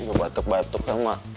nggak batuk batuk sama